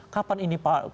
kapan ini pak